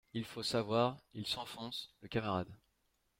Il faut savoir, Il s’enfonce, le camarade